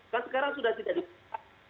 kan sekarang sudah tidak dibuka